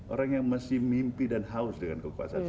orang yang mesti mimpi dan haus dengan kekuasaan